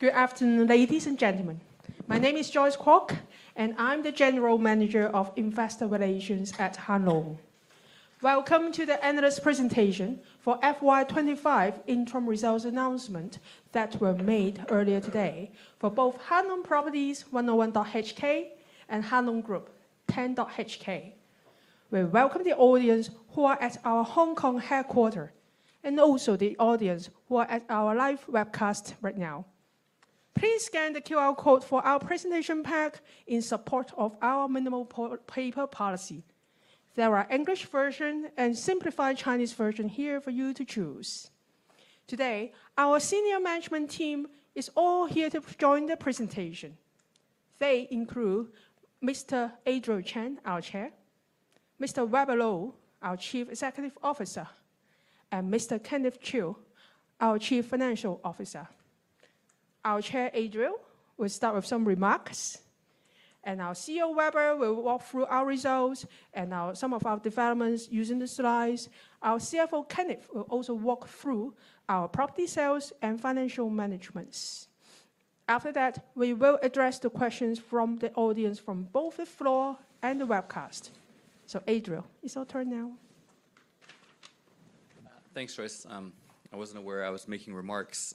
Good afternoon, ladies and gentlemen. My name is Joyce Kwock, and I'm the General Manager of Investor Relations at Hang Lung. Welcome to the analyst presentation for FY 2025 interim results announcements that were made earlier today for both Hang Lung Properties 101.HK and Hang Lung Group 10.HK. We welcome the audience who are at our Hong Kong headquarters, and also the audience who are at our live webcast right now. Please scan the QR code for our presentation pack in support of our minimal paper policy. There is an English version and a simplified Chinese version here for you to choose. Today, our Senior Management Team is all here to join the presentation. They include Mr. Adriel Chan, our Chair, Mr. Weber Lo, our Chief Executive Officer, and Mr. Kenneth Chiu, our Chief Financial Officer. Our Chair, Adriel, will start with some remarks, and our CEO, Weber, will walk through our results and some of our developments using the slides. Our CFO, Kenneth, will also walk through our property sales and financial management. After that, we will address the questions from the audience from both the floor and the webcast. Adriel, it's your turn now. Thanks, Joyce. I wasn't aware I was making remarks.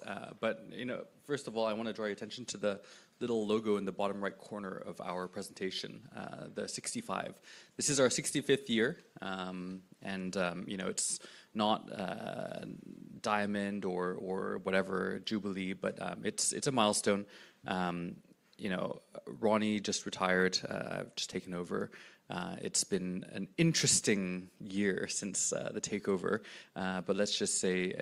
First of all, I want to draw your attention to the little logo in the bottom right corner of our presentation, the 65. This is our 65th year, and it's not a diamond or whatever, jubilee, but it's a milestone. Ronnie just retired, I've just taken over. It's been an interesting year since the takeover. Let's just say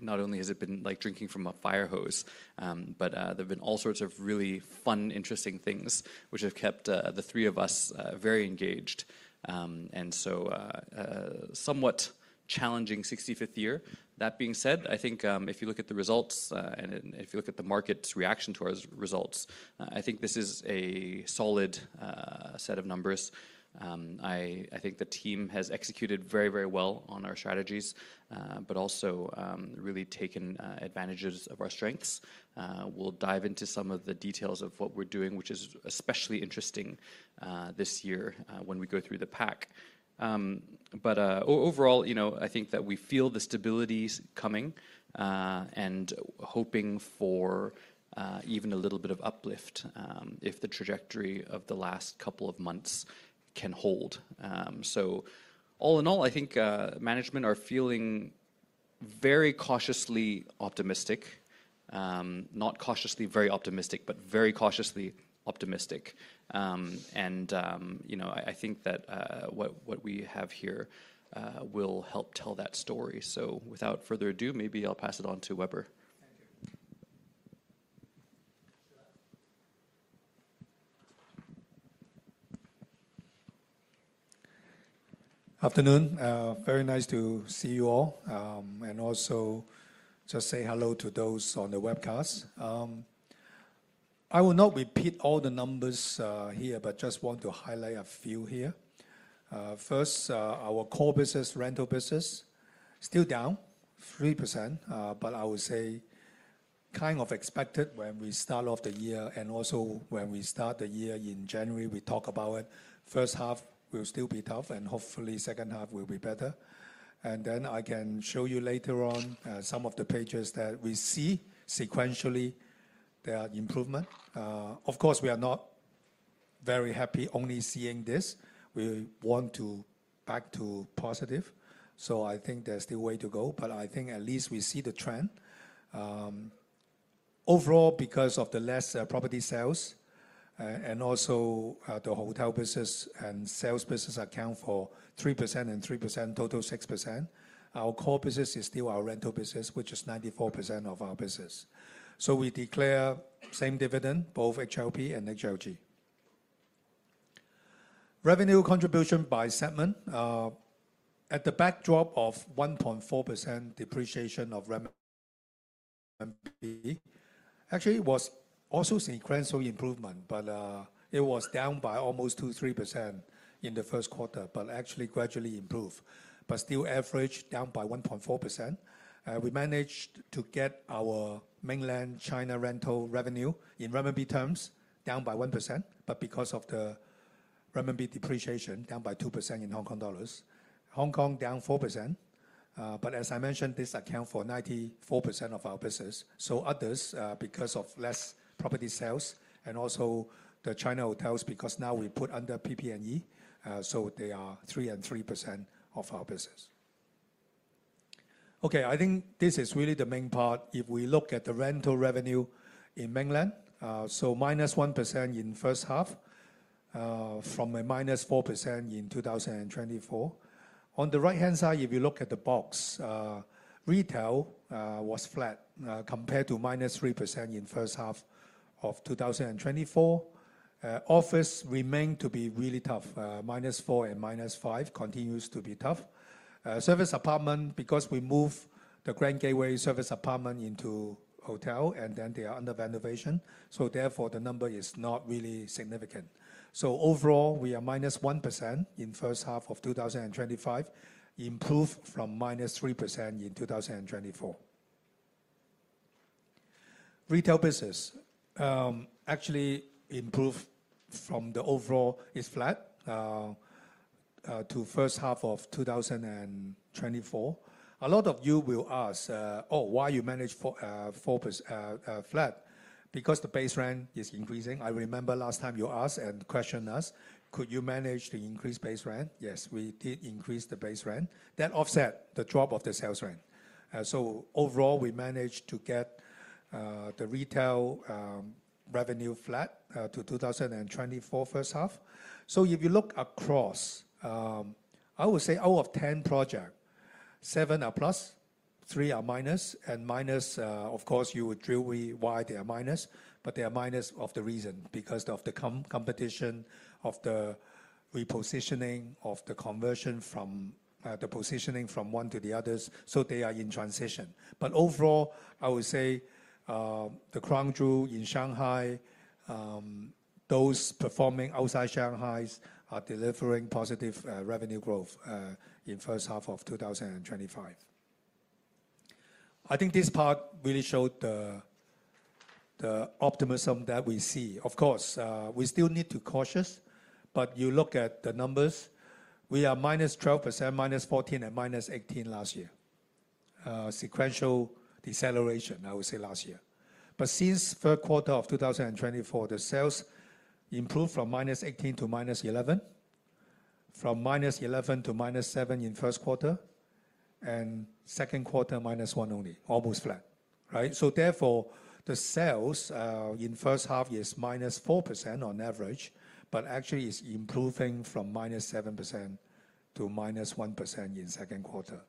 not only has it been like drinking from a fire hose, but there have been all sorts of really fun, interesting things which have kept the three of us very engaged. A somewhat challenging 65th year. That being said, I think if you look at the results and if you look at the market's reaction to our results, I think this is a solid set of numbers. I think the team has executed very, very well on our strategies, but also really taken advantage of our strengths. We'll dive into some of the details of what we're doing, which is especially interesting this year when we go through the pack. Overall, I think that we feel the stability coming and hoping for even a little bit of uplift if the trajectory of the last couple of months can hold. All in all, I think management is feeling very cautiously optimistic, not cautiously very optimistic, but very cautiously optimistic. I think that what we have here will help tell that story. Without further ado, maybe I'll pass it on to Weber. Thank you. Afternoon. Very nice to see you all, and also just say hello to those on the webcast. I will not repeat all the numbers here, but just want to highlight a few here. First, our core business, rental business, is still down 3%, but I would say kind of expected when we start off the year, and also when we start the year in January, we talk about it. First half will still be tough, hopefully the second half will be better. I can show you later on some of the pages that we see sequentially that are improvement. Of course, we are not very happy only seeing this. We want to go back to positive, so I think there's still a way to go, but I think at least we see the trend. Overall, because of the less property sales and also the hotel business and sales business account for 3% and 3%, total 6%, our core business is still our rental business, which is 94% of our business. We declare the same dividend, both HLP and HLG. Revenue contribution by segment, at the backdrop of 1.4% depreciation of revenue, actually was also seeing gradual improvement, but it was down by almost 2%-3% in the first quarter, but actually gradually improved. Still average down by 1.4%. We managed to get our mainland China rental revenue in revenue terms down by 1%, but because of the revenue depreciation, down by 2% in Hong Kong dollars. Hong Kong down 4%, but as I mentioned, this accounts for 94% of our business. Others because of less property sales and also the China hotels because now we put under PP&E, so they are 3% and 3% of our business. I think this is really the main part. If we look at the rental revenue in mainland, -1% in the first half from a - 4% in 2024. On the right-hand side, if you look at the box, retail was flat compared to -3% in the first half of 2024. Office remained to be really tough, -4% and -5% continues to be tough. Service apartment, because we moved the Grand Gateway service apartment into hotel, and then they are under renovation, therefore the number is not really significant. Overall, we are -1% in the first half of 2025, improved from -3% in 2024. Retail business actually improved from the overall is flat to the first half of 2024. A lot of you will ask, oh, why you managed flat? Because the base rent is increasing. I remember last time you asked and questioned us, could you manage to increase base rent? Yes, we did increase the base rent. That offset the drop of the sales rent. Overall, we managed to get the retail revenue flat to 2024 first half. If you look across, I would say out of 10 projects, 7 are plus, 3 are minus, and minus, of course, you would know why they are minus, but they are minus for the reason because of the competition, of the repositioning, of the conversion from the positioning from one to the others, so they are in transition. Overall, I would say the Hangzhou in Shanghai, those performing outside Shanghai are delivering positive revenue growth in the first half of 2025. I think this part really showed the optimism that we see. Of course, we still need to be cautious, but you look at the numbers, we are -12%, -14%, and -18% last year. Sequential deceleration, I would say last year. Since the first quarter of 2024, the sales improved from -18% to -11%, from -11% to -17% in the first quarter, and the second quarter -1% only, almost flat. Therefore, the sales in the first half are -4% on average, but actually it's improving from -7% to -1% in the second quarter.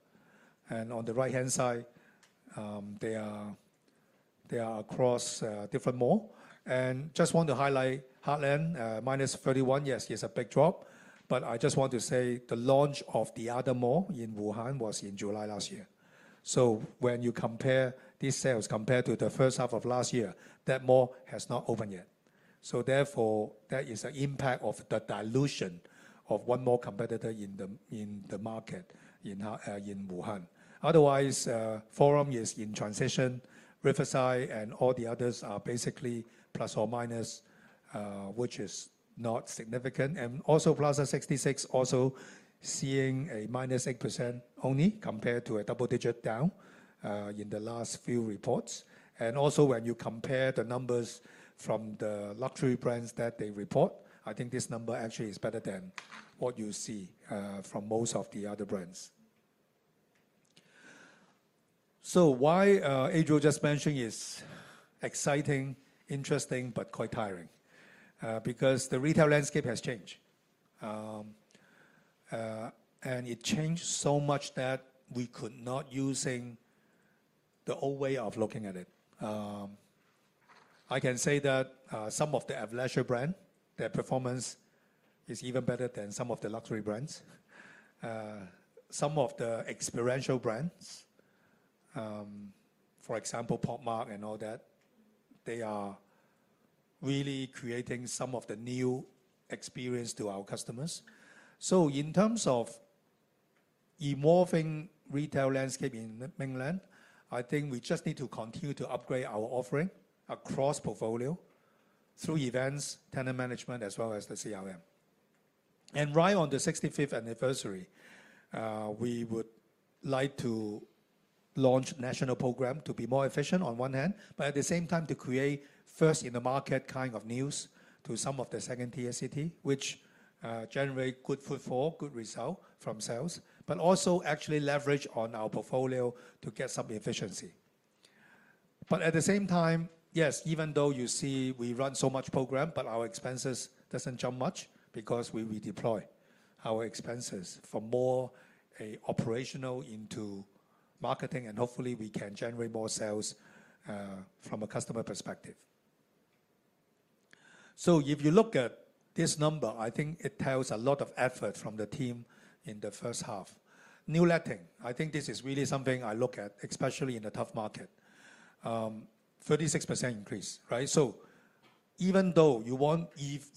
On the right-hand side, they are across different malls. I just want to highlight Heartland, -31%, yes, it's a big drop, but I just want to say the launch of the other mall in Wuhan was in July last year. When you compare these sales compared to the first half of last year, that mall has not opened yet. Therefore, that is the impact of the dilution of one more competitor in the market in Wuhan. Otherwise, Forum is in transition, Riverside, and all the others are basically plus or minus, which is not significant. Also Plaza 66 also seeing a -8% only compared to a double digit down in the last few reports. Also when you compare the numbers from the luxury brands that they report, I think this number actually is better than what you see from most of the other brands. Why Adriel just mentioned is exciting, interesting, but quite tiring because the retail landscape has changed. It changed so much that we could not use the old way of looking at it. I can say that some of the Avalanche brands, their performance is even better than some of the luxury brands. Some of the experiential brands, for example, POP MART and all that, they are really creating some of the new experiences to our customers. In terms of evolving the retail landscape in mainland China, I think we just need to continue to upgrade our offering across the portfolio through events, tenant management, as well as the CRM. Right on the 65th anniversary, we would like to launch a national program to be more efficient on one hand, but at the same time to create first-in-the-market kind of news to some of the second-tier cities, which generate good footfall, good result from sales, but also actually leverage on our portfolio to get some efficiency. At the same time, yes, even though you see we run so much program, our expenses don't jump much because we redeploy our expenses from more operational into marketing, and hopefully we can generate more sales from a customer perspective. If you look at this number, I think it tells a lot of effort from the team in the first half. New letting, I think this is really something I look at, especially in a tough market. 36% increase, right? Even though you want,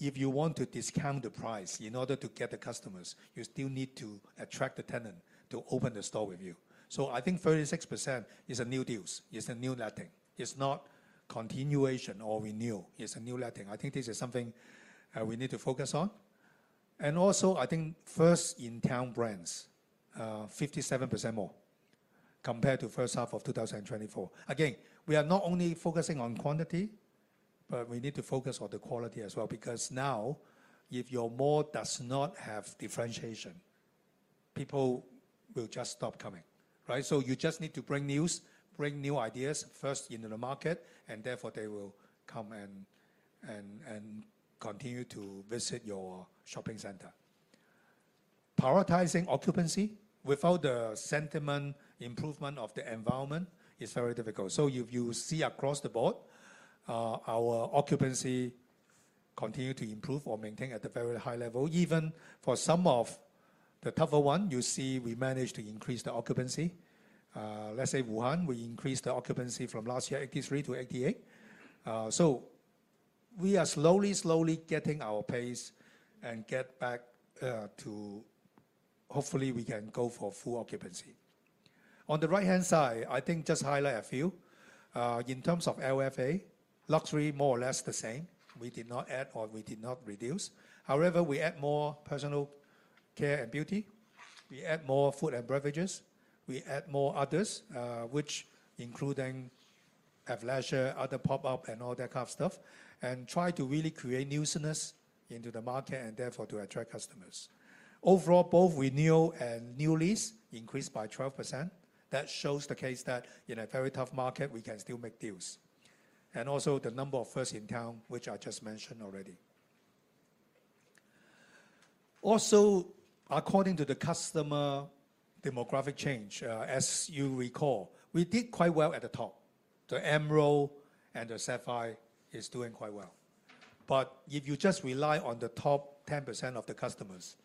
if you want to discount the price in order to get the customers, you still need to attract the tenant to open the store with you. I think 36% is a new deal, it's a new letting, it's not continuation or renewal, it's a new letting. I think this is something we need to focus on. Also, I think first-in-town brands, 57% more compared to the first half of 2024. Again, we are not only focusing on quantity, but we need to focus on the quality as well because now if your mall does not have differentiation, people will just stop coming, right? You just need to bring news, bring new ideas first into the market, and therefore they will come and continue to visit your shopping center. Prioritizing occupancy without the sentiment improvement of the environment is very difficult. If you see across the board, our occupancy continues to improve or maintain at a very high level. Even for some of the tougher ones, you see we managed to increase the occupancy. Let's say Wuhan, we increased the occupancy from last year 83%-88%. We are slowly, slowly getting our pace and getting back to hopefully we can go for full occupancy. On the right-hand side, I think just highlight a few. In terms of LFA, luxury more or less the same. We did not add or we did not reduce. However, we add more personal care and beauty, we add more food and beverages, we add more others, which include Avalanche, other pop-up, and all that kind of stuff, and try to really create newness into the market and therefore to attract customers. Overall, both renewal and new lease increased by 12%. That shows the case that in a very tough market, we can still make deals. Also, the number of first in town, which I just mentioned already. Also, according to the customer demographic change, as you recall, we did quite well at the top. The Emerald and the Sapphire are doing quite well. If you just rely on the top 10% of the customers,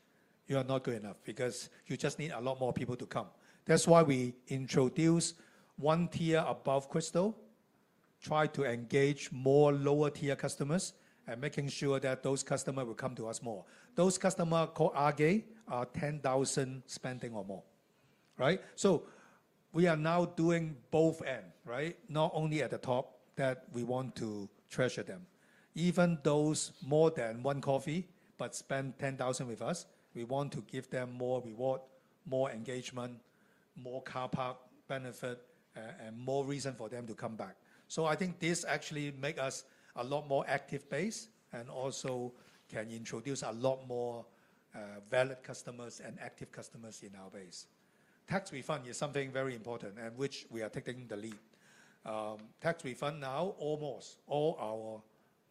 you are not good enough because you just need a lot more people to come. That's why we introduced one tier above Crystal, try to engage more lower tier customers, and making sure that those customers will come to us more. Those customers called RK are 10,000 spending or more, right? We are now doing both ends, right? Not only at the top that we want to treasure them. Even those more than one coffee, but spend 10,000 with us, we want to give them more reward, more engagement, more car park benefit, and more reason for them to come back. I think this actually makes us a lot more active base and also can introduce a lot more valid customers and active customers in our base. Tax refund is something very important and which we are taking the lead. Tax refund now, almost all our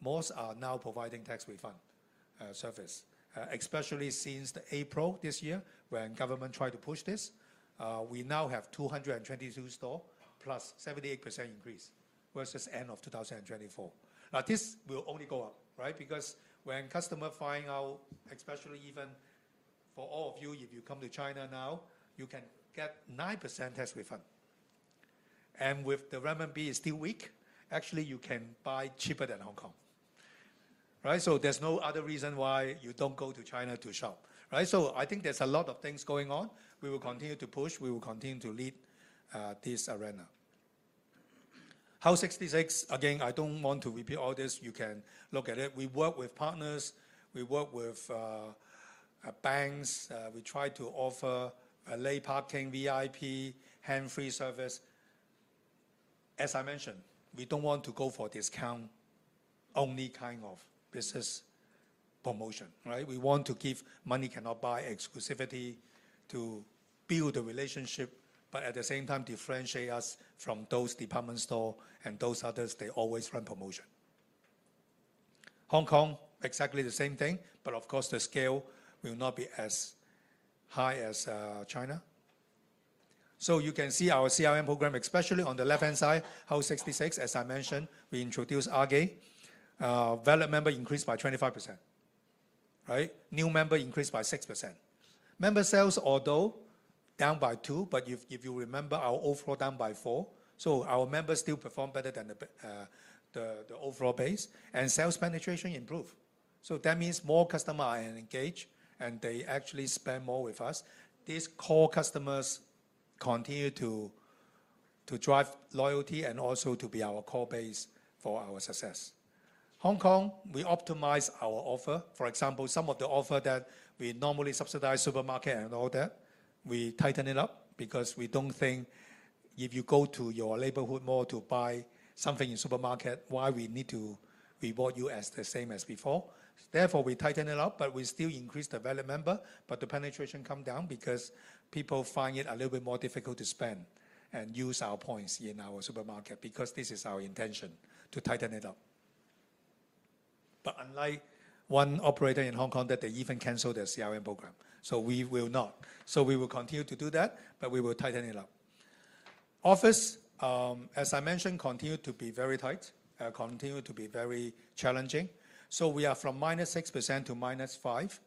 malls are now providing tax refund service, especially since April this year when government tried to push this. We now have 222 stores plus 78% increase versus the end of 2024. This will only go up, right? When customers find out, especially even for all of you, if you come to China now, you can get 9% tax refund. With the renminbi is still weak, actually you can buy cheaper than Hong Kong. Right? There's no other reason why you don't go to China to shop. Right? I think there's a lot of things going on. We will continue to push, we will continue to lead this arena. House 66, again, I don't want to repeat all this, you can look at it. We work with partners, we work with banks, we try to offer a lay parking VIP, hands-free service. As I mentioned, we don't want to go for discount only kind of business promotion. We want to give money cannot buy exclusivity to build a relationship, but at the same time differentiate us from those department stores and those others, they always run promotion. Hong Kong, exactly the same thing, but of course the scale will not be as high as China. You can see our CRM program, especially on the left-hand side, House 66. As I mentioned, we introduced RK. Valid member increased by 25%. New member increased by 6%. Member sales, although down by 2%, but if you remember our overall down by 4%, our members still perform better than the overall base, and sales penetration improved. That means more customers are engaged and they actually spend more with us. These core customers continue to drive loyalty and also to be our core base for our success. Hong Kong, we optimize our offer. For example, some of the offers that we normally subsidize, supermarket and all that, we tighten it up because we don't think if you go to your neighborhood mall to buy something in the supermarket, why we need to reward you as the same as before. Therefore, we tighten it up, but we still increase the valid member, but the penetration comes down because people find it a little bit more difficult to spend and use our points in our supermarket because this is our intention to tighten it up. Unlike one operator in Hong Kong that even canceled their CRM program, we will not. We will continue to do that, but we will tighten it up. Office, as I mentioned, continues to be very tight, continues to be very challenging. We are from -6% to -5%.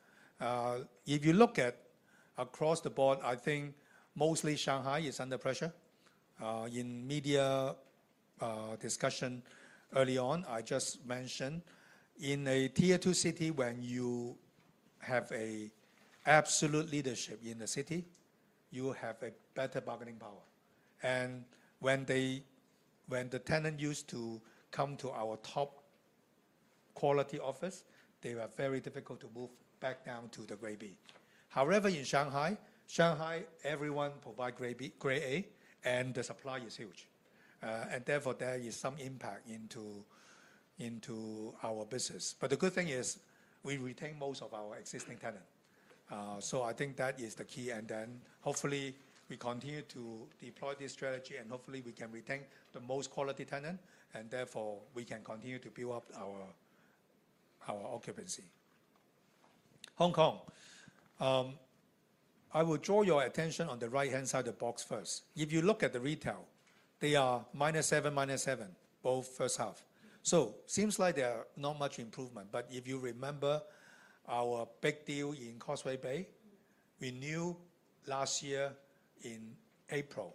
If you look at across the board, I think mostly Shanghai is under pressure. In media discussion early on, I just mentioned in a second-tier city, when you have absolute leadership in the city, you have a better bargaining power. When the tenant used to come to our top quality office, they were very difficult to move back down to the grade B. However, in Shanghai, everyone provides grade A and the supply is huge. Therefore, there is some impact into our business. The good thing is we retain most of our existing tenants. I think that is the key. Hopefully, we continue to deploy this strategy and hopefully we can retain the most quality tenant and therefore we can continue to build up our occupancy. Hong Kong, I will draw your attention on the right-hand side of the box first. If you look at the retail, they are -7%, -7%, both first half. It seems like there is not much improvement, but if you remember our big deal in Causeway Bay, we knew last year in April,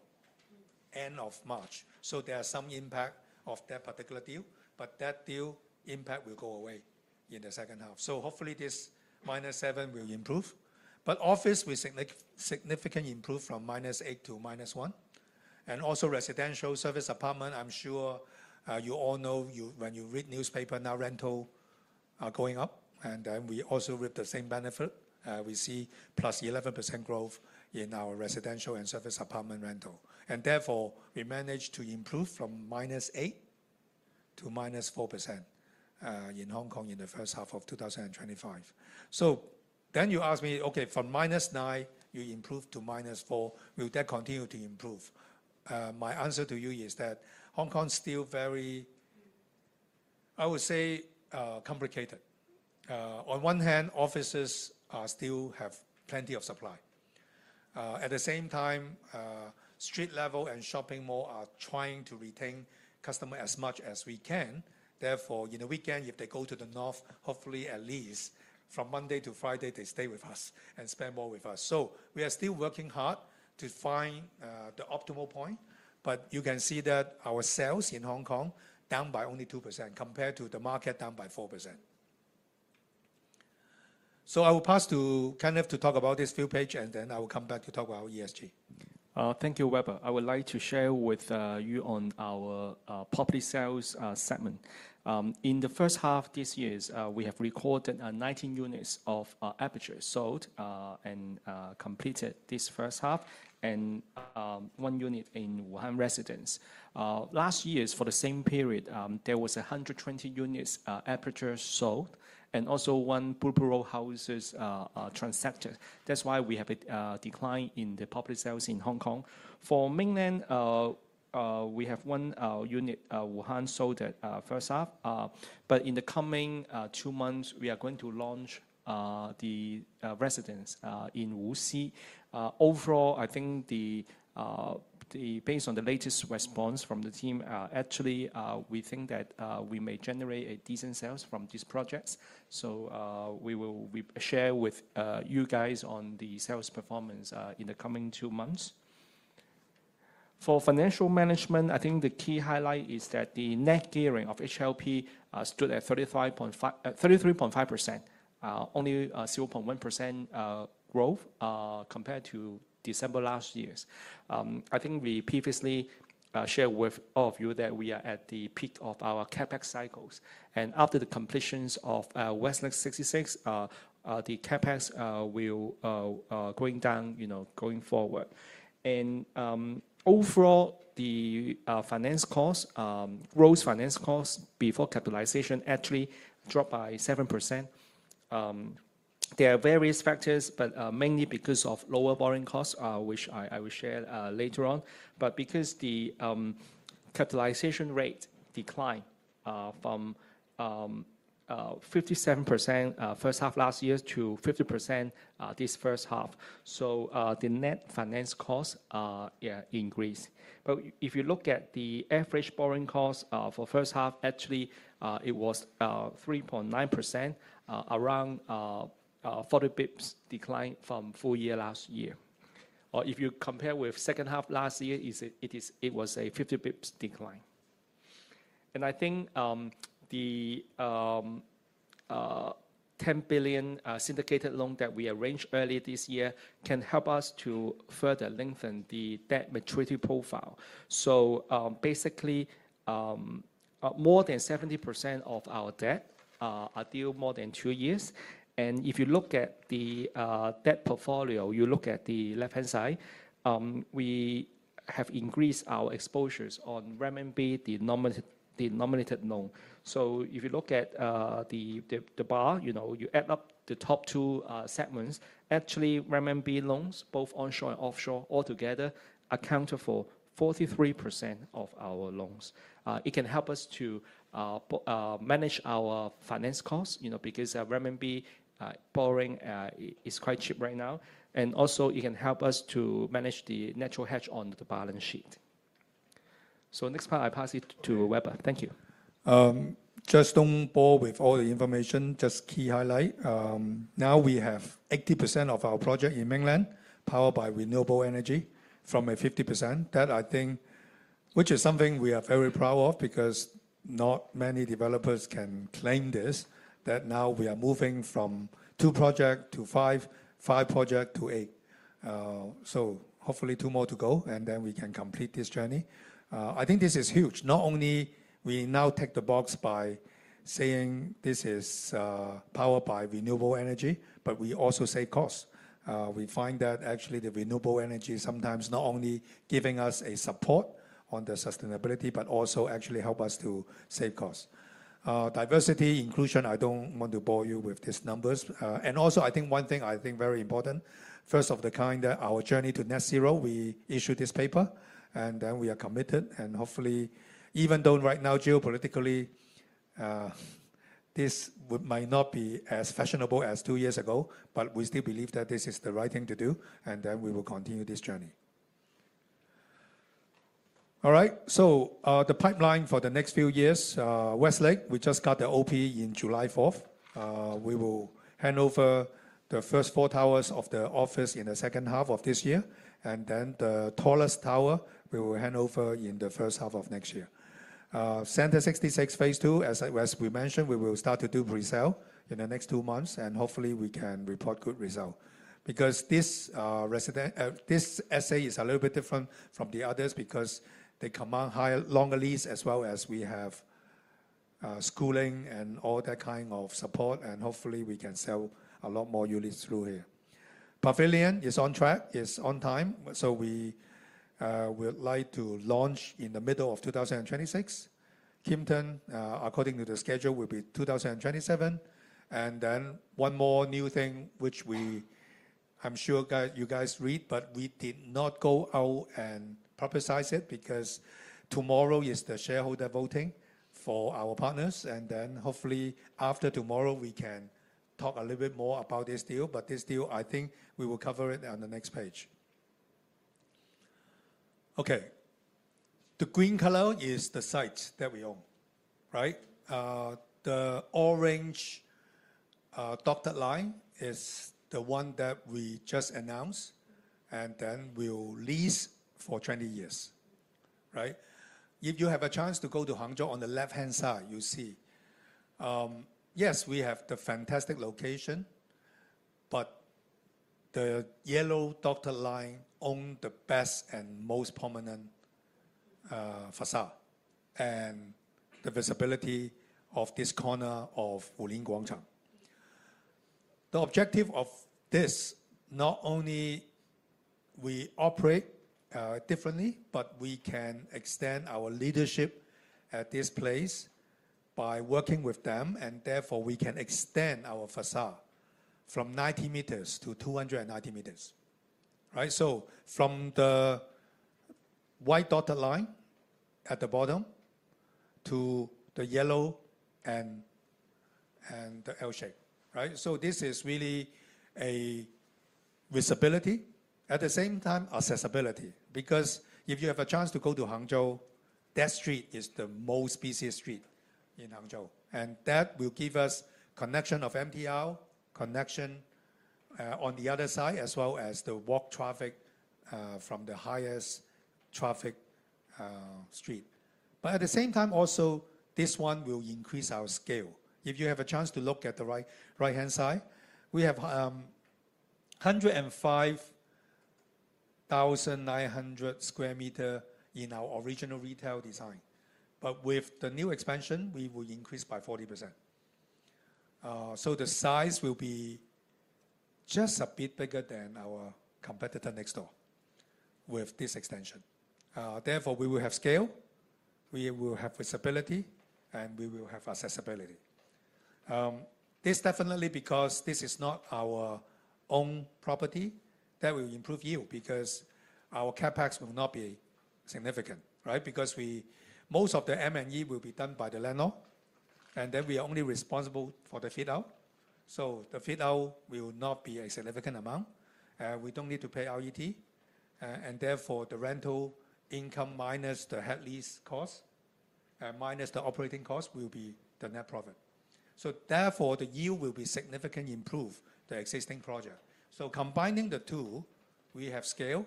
end of March. There is some impact of that particular deal, but that deal impact will go away in the second half. Hopefully, this -7% will improve. Office will significantly improve from -8% to -1%. Also, residential service apartment, I'm sure you all know when you read newspapers, now rental are going up and then we also reap the same benefit. We see +11% growth in our residential and service apartment rental. Therefore, we managed to improve from -8% to 4% in Hong Kong in the first half of 2025. You ask me, okay, from -9% you improved to 4%, will that continue to improve? My answer to you is that Hong Kong is still very, I would say, complicated. On one hand, offices still have plenty of supply. At the same time, street level and shopping malls are trying to retain customers as much as we can. Therefore, in the weekend, if they go to the north, hopefully at least from Monday to Friday, they stay with us and spend more with us. We are still working hard to find the optimal point, but you can see that our sales in Hong Kong are down by only 2% compared to the market down by 4%. I will pass to Kenneth to talk about this few pages and then I will come back to talk about ESG. Thank you, Weber. I would like to share with you on our property sales segment. In the first half of this year, we have recorded 19 units of apertures sold and completed this first half and one unit in Wuhan residence. Last year, for the same period, there were 120 units of apertures sold and also one blooper roll house transacted. That is why we have a decline in the property sales in Hong Kong. For mainland, we have one unit Wuhan sold at the first half, but in the coming two months, we are going to launch the residence in Wuxi. Overall, I think based on the latest response from the team, actually we think that we may generate decent sales from these projects. We will share with you guys on the sales performance in the coming two months. For financial management, I think the key highlight is that the net gearing of HLP stood at 33.5%, only 0.1% growth compared to December last year. I think we previously shared with all of you that we are at the peak of our CapEx cycles. After the completions of West Lake 66, the CapEx will go down going forward. Overall, the finance cost, gross finance cost before capitalization actually dropped by 7%. There are various factors, but mainly because of lower borrowing costs, which I will share later on. Because the capitalization rate declined from 57% first half last year to 50% this first half, the net finance cost increased. If you look at the average borrowing cost for the first half, actually it was 3.9%, around 40 bps decline from full year last year. If you compare with the second half last year, it was a 50 bps decline. I think the 10 billion syndicated loan that we arranged earlier this year can help us to further lengthen the debt maturity profile. Basically, more than 70% of our debt are due more than two years. If you look at the debt portfolio, you look at the left-hand side, we have increased our exposures on renminbi-denominated loans. If you look at the bar, you add up the top two segments, actually, renminbi loans, both onshore and offshore, all together account for 43% of our loans. It can help us to manage our finance costs because renminbi borrowing is quite cheap right now. It can also help us to manage the natural hedge on the balance sheet. Next part, I pass it to Weber. Thank you. Just don't bore with all the information, just key highlight. Now we have 80% of our project in mainland powered by renewable energy from a 50%. That I think, which is something we are very proud of because not many developers can claim this, that now we are moving from two projects to five, five projects to eight. Hopefully two more to go and then we can complete this journey. I think this is huge. Not only we now tick the box by saying this is powered by renewable energy, but we also save costs. We find that actually the renewable energy is sometimes not only giving us a support on the sustainability, but also actually helps us to save costs. Diversity, inclusion, I don't want to bore you with these numbers. Also, I think one thing I think is very important, first of the kind, our journey to net zero, we issued this paper and then we are committed. Hopefully, even though right now geopolitically, this might not be as fashionable as two years ago, we still believe that this is the right thing to do and then we will continue this journey. All right, the pipeline for the next few years, West Lake, we just got the OP in July 4th. We will hand over the first four towers of the office in the second half of this year. The tallest tower we will hand over in the first half of next year. Center 66, phase two, as we mentioned, we will start to do pre-sale in the next two months and hopefully we can report good results. This essay is a little bit different from the others because they command higher longer leads as well as we have schooling and all that kind of support and hopefully we can sell a lot more units through here. Pavilion is on track, it's on time, we would like to launch in the middle of 2026. Kimpton, according to the schedule, will be 2027. One more new thing, which I'm sure you guys read, but we did not go out and publicize it because tomorrow is the shareholder voting for our partners. Hopefully after tomorrow we can talk a little bit more about this deal, but this deal I think we will cover it on the next page. The green color is the site that we own, right? The orange dotted line is the one that we just announced and then we'll lease for 20 years, right? If you have a chance to go to Hangzhou on the left-hand side, you'll see. Yes, we have the fantastic location, but the yellow dotted line owns the best and most prominent facade. The visibility of this corner of Wuling Guangzhang. The objective of this, not only we operate differently, but we can extend our leadership at this place by working with them and therefore we can extend our facade from 90 m-290 m, right? From the white dotted line at the bottom to the yellow and the L-shape, right? This is really a visibility, at the same time accessibility. If you have a chance to go to Hangzhou, that street is the most busy street in Hangzhou. That will give us a connection of MTR, connection on the other side as well as the walk traffic from the highest traffic street. At the same time also, this one will increase our scale. If you have a chance to look at the right-hand side, we have 105,900 sq m in our original retail design. With the new expansion, we will increase by 40%. The size will be just a bit bigger than our competitor next door with this extension. Therefore, we will have scale, we will have visibility, and we will have accessibility. This is definitely because this is not our own property that will improve yield because our CapEx will not be significant, right? Most of the M&E will be done by the landlord, and then we are only responsible for the fit out. The fit out will not be a significant amount. We don't need to pay RET, and therefore the rental income minus the head lease cost, minus the operating cost, will be the net profit. Therefore the yield will be significantly improved in the existing project. Combining the two, we have scale,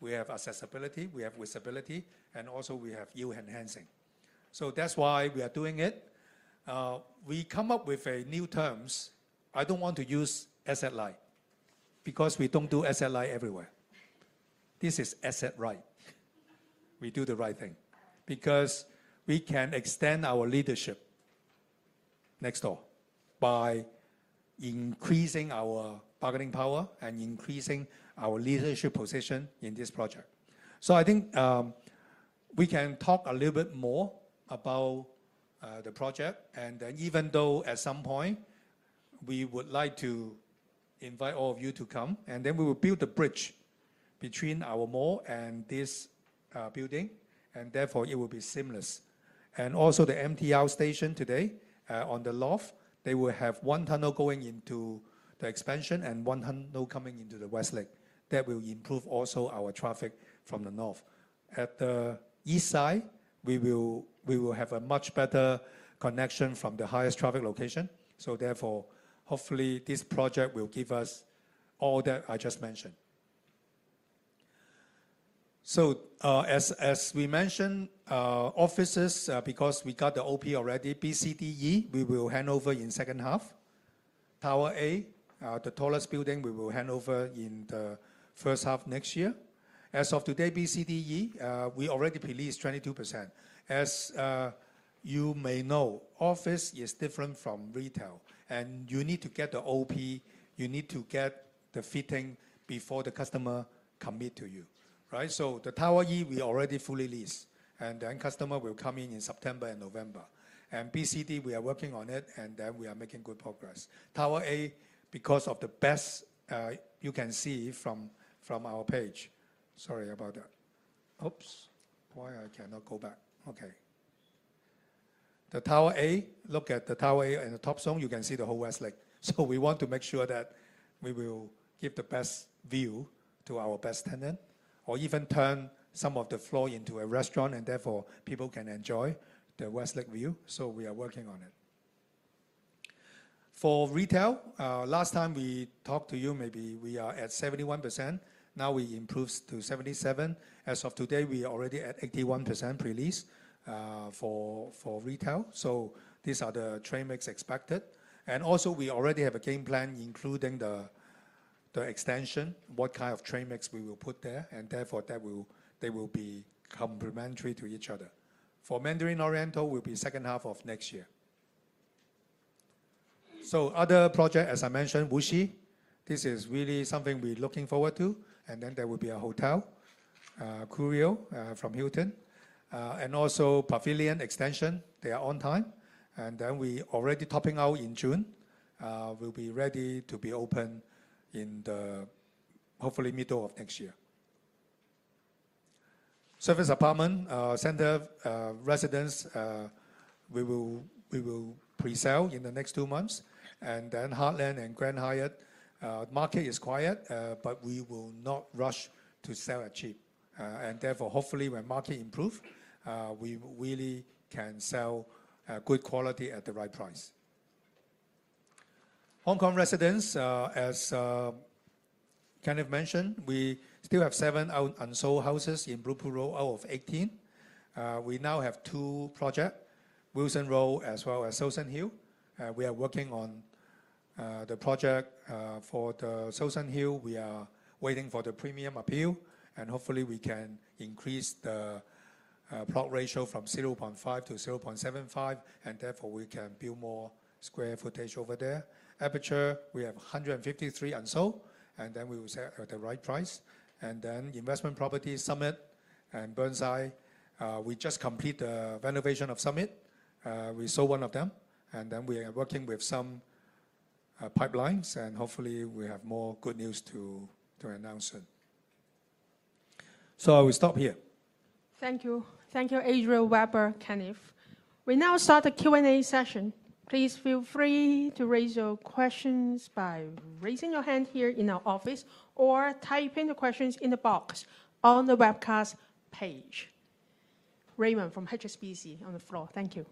we have accessibility, we have visibility, and also we have yield enhancing. That's why we are doing it. We come up with new terms. I don't want to use asset light because we don't do asset light everywhere. This is asset right. We do the right thing because we can extend our leadership next door by increasing our bargaining power and increasing our leadership position in this project. I think we can talk a little bit more about the project, and then even though at some point we would like to invite all of you to come, we will build a bridge between our mall and this building, and therefore it will be seamless. Also the MTR station today on the loft, they will have one tunnel going into the expansion and one tunnel coming into the West Lake. That will improve also our traffic from the north. At the east side, we will have a much better connection from the highest traffic location, so therefore hopefully this project will give us all that I just mentioned. As we mentioned, offices, because we got the OP already, BCDE, we will hand over in the second half. Tower A, the tallest building, we will hand over in the first half next year. As of today, BCDE, we already released 22%. As you may know, office is different from retail, and you need to get the OP, you need to get the fitting before the customer commits to you, right? Tower E, we already fully leased, and then customers will come in in September and November. BCDE, we are working on it, and we are making good progress. Tower A, because of the best you can see from our page, sorry about that. The Tower A, look at the Tower A and the top zone, you can see the whole West Lake. We want to make sure that we will give the best view to our best tenant, or even turn some of the floor into a restaurant, and therefore people can enjoy the West Lake view. We are working on it. For retail, last time we talked to you, maybe we are at 71%. Now we improved to 77%. As of today, we are already at 81% pre-lease for retail. These are the trade mix expected. We already have a game plan including the extension, what kind of trade mix we will put there, and therefore they will be complementary to each other. For Mandarin Oriental, it will be the second half of next year. Other projects, as I mentioned, Wuxi, this is really something we're looking forward to, and then there will be a hotel, Kurio from Hilton, and also Pavilion extension. They are on time, and we are already topping out in June. We'll be ready to be open in the hopefully middle of next year. Service apartment, center residence, we will pre-sell in the next two months, and then Heartland and Grand Hyatt, the market is quiet, but we will not rush to sell at cheap. Therefore, hopefully when the market improves, we really can sell good quality at the right price. Hong Kong residence, as Kenneth mentioned, we still have seven unsold houses in Blooper Row out of 18. We now have two projects, Wilson Road as well as Shouson Hill. We are working on the project for the Shouson Hill. We are waiting for the premium appeal, and hopefully we can increase the plot ratio from 0.5x-0.75x, and therefore we can build more square footage over there. Aperture, we have 153 unsold, and we will sell at the right price. Investment properties Summit and Burnside, we just completed the renovation of Summit. We sold one of them, and we are working with some pipelines, and hopefully we have more good news to announce soon. I will stop here. Thank you. Thank you, Adriel, Weber, Kenneth. We now start the Q&A session. Please feel free to raise your questions by raising your hand here in our office or typing the questions in the box on the webcast page. Raymond from HSBC on the floor. Thank you.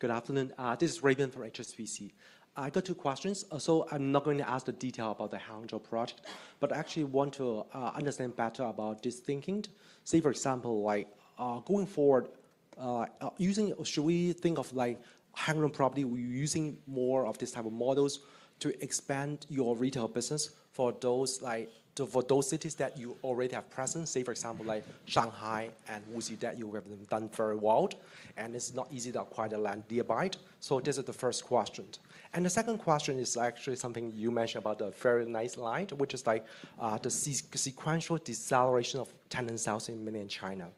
Good afternoon. This is Raymond from HSBC. I got two questions. I'm not going to ask the details about the Hangzhou project, but I actually want to understand better about this thinking. For example, going forward, using it, should we think of Hangzhou property, we're using more of this type of models to expand your retail business for those cities that you already have presence, for example, like Shanghai and Wuxi that you have done very well, and it's not easy to acquire the land nearby. This is the first question. The second question is actually something you mentioned about the very nice line, which is like the sequential deceleration of tenant sales in mainland China.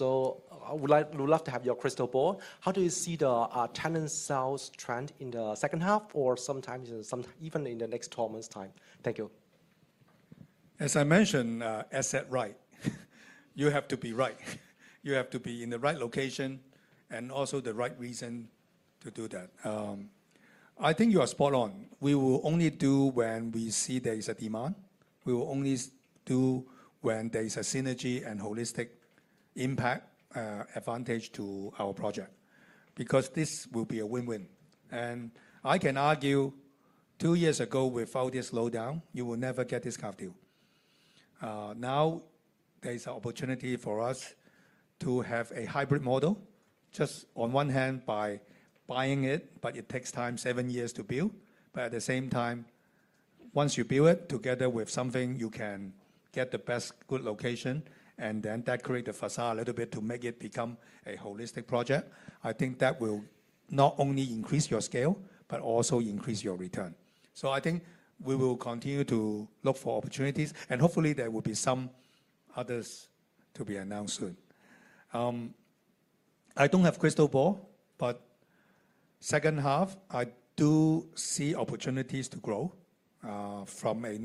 I would love to have your crystal ball. How do you see the tenant sales trend in the second half or sometimes even in the next 12 months' time? Thank you. As I mentioned, asset right. You have to be right. You have to be in the right location and also the right reason to do that. I think you are spot on. We will only do when we see there is a demand. We will only do when there is a synergy and holistic impact advantage to our project. This will be a win-win. I can argue two years ago without this slowdown, you will never get this car deal. Now there is an opportunity for us to have a hybrid model. Just on one hand by buying it, but it takes time, seven years to build. At the same time, once you build it together with something, you can get the best good location and then decorate the facade a little bit to make it become a holistic project. I think that will not only increase your scale, but also increase your return. We will continue to look for opportunities, and hopefully there will be some others to be announced soon. I don't have a crystal ball, but second half, I do see opportunities to grow from a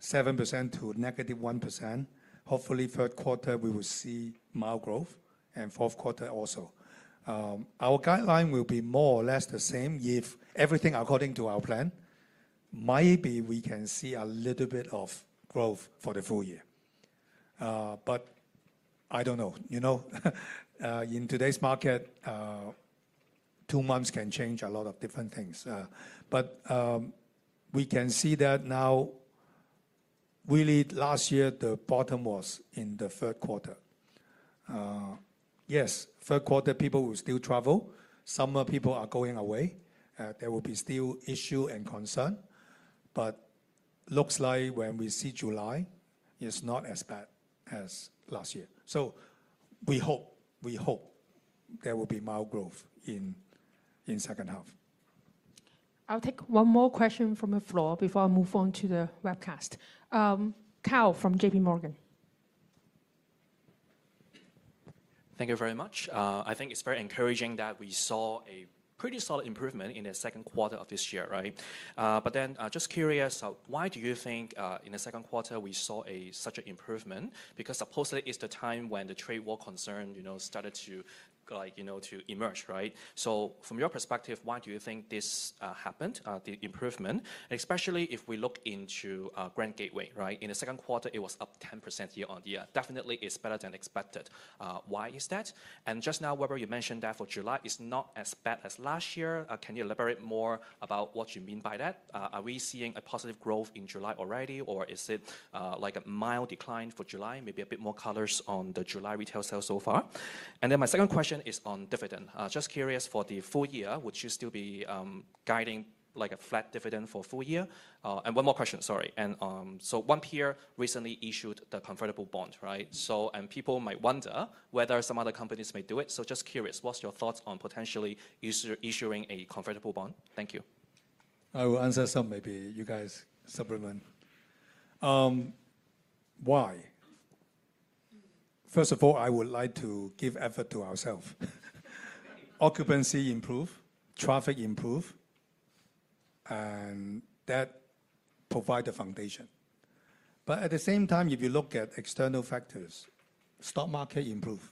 -7% to -1%. Hopefully, third quarter, we will see mild growth, and fourth quarter also. Our guideline will be more or less the same if everything according to our plan. Maybe we can see a little bit of growth for the full year. I don't know. In today's market, two months can change a lot of different things. We can see that now, really last year, the bottom was in the third quarter. Yes, third quarter, people will still travel. Summer, people are going away. There will be still issues and concerns. It looks like when we see July, it's not as bad as last year. We hope there will be mild growth in the second half. I'll take one more question from the floor before I move on to the webcast. Kyle from JP Morgan. Thank you very much. I think it's very encouraging that we saw a pretty solid improvement in the second quarter of this year, right? I'm just curious, why do you think in the second quarter we saw such an improvement? Because supposedly it's the time when the trade war concern started to emerge, right? From your perspective, why do you think this happened, the improvement? Especially if we look into Grand Gateway, right? In the second quarter, it was up 10% year-on-year. Definitely, it's better than expected. Why is that? Just now, Weber, you mentioned that for July it's not as bad as last year. Can you elaborate more about what you mean by that? Are we seeing a positive growth in July already, or is it like a mild decline for July? Maybe a bit more colors on the July retail sales so far. My second question is on dividend. Just curious, for the full year, would you still be guiding like a flat dividend for the full year? One more question, sorry. One peer recently issued the convertible bond, right? People might wonder whether some other companies may do it. Just curious, what's your thoughts on potentially issuing a convertible bond? Thank you. I will answer some, maybe you guys supplement. First of all, I would like to give effort to ourselves. Occupancy improves, traffic improves, and that provides a foundation. At the same time, if you look at external factors, the stock market improves,